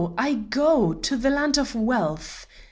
I go! to the land of wealth!"